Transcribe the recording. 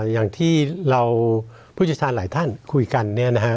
อย่างที่เราผู้ชมหลายท่านคุยกันนะฮะ